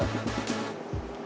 mau gue hibur nggak